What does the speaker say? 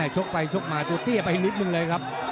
ชกไปชกมาตัวเตี้ยไปนิดนึงเลยครับ